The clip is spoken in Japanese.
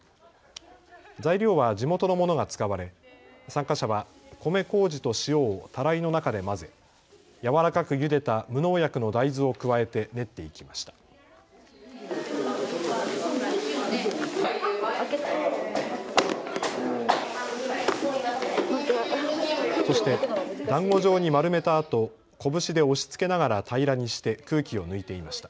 材料は地元のものが使われ参加者は米こうじと塩をたらいの中で混ぜ柔らかくゆでた無農薬の大豆を加えて練っていきました。